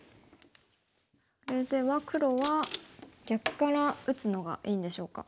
それでは黒は逆から打つのがいいんでしょうか。